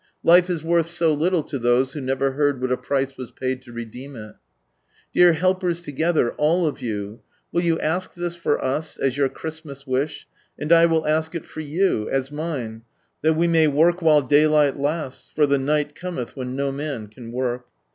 Life is worth so little to those who never heard what a price was paid to redeem it. Dear helpers together, all of you, will you ask this for us, as your Christmas wish, and I will ask for it for you, as mine — that we may work while daylight lasts ; for the night cometh when no man can work.